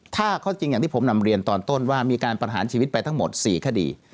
ถ้าข้อจริงอย่างที่ผมนำเรียนตอนต้นว่ามีการประหารชีวิตไปทั้งหมด๔คดี